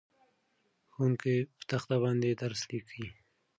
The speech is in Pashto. ښوونکی په تخته باندې درس لیکي.